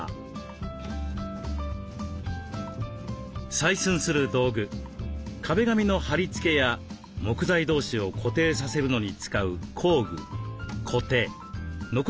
採寸する道具壁紙の貼り付けや木材同士を固定させるのに使う工具